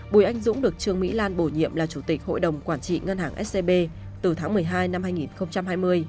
bùi anh dũng được trương mỹ lan bổ nhiệm là chủ tịch hội đồng quản trị ngân hàng scb từ tháng một mươi hai năm hai nghìn hai mươi